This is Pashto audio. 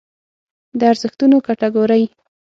د ارزښتونو کټګورۍ